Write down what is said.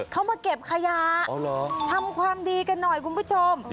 เขามาเก็บขยะทำความดีกันหน่อยคุณผู้ชม